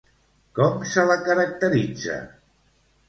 Com se la caracteritza?